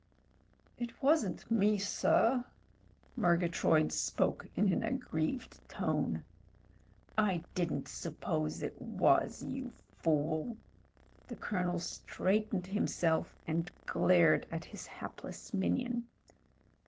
"It wasn't me, sir," Murgatroyd spoke in an ag grieved tone. "I didn't suppose it was, you fool." The Colonel straightened himself and glared at his hapless minion.